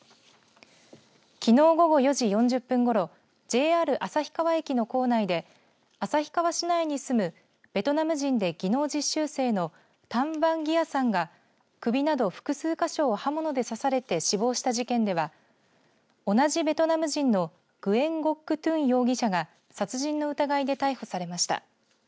きのう午後４時４０分ごろＪＲ旭川駅の構内で旭川市内に住むベトナム人で技能実習生のタン・ヴァン・ギアさんが首など複数か所を刃物で刺されて死亡した事件では同じベトナム人のグエン・ゴック・トゥン容疑者が殺人の疑いで逮捕されました。